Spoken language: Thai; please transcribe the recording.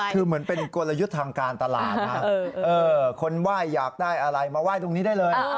คือเหมือนเป็นกลยุทธ์ทางการตลาดนะคนไหว้อยากได้อะไรมาไหว้ตรงนี้ได้เลย